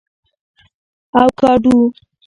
🥑 اوکاډو